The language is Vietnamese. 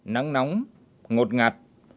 nắng nóng ngột ngạt